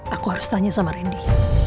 aku harus tanya sama randy